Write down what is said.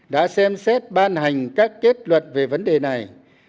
đã xem xét ban hành các kết luận về vấn đề này